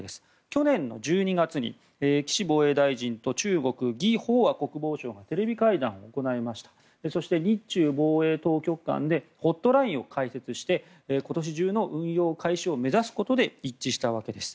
去年１２月に、岸防衛大臣と中国、ギ・ホウワ国防相がテレビ会談を行いましてそして、日中防衛当局間でホットラインを開設して今年中の運用開始を目指すことで一致したわけです。